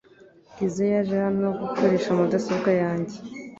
Bwiza yaje hano gukoresha mudasobwa yanjye .